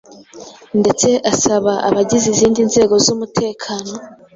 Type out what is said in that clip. ndetse asaba abagize izindi nzego z'umutekano